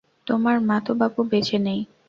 তোমার মা তো বাপু বেঁচে নেই।